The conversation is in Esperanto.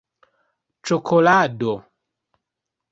ĉokolado